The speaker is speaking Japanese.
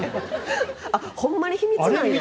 あっホンマに秘密なんや。